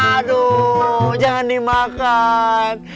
aduh jangan dimakan